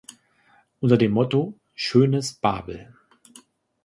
Unter dem Motto „Schönes Babel.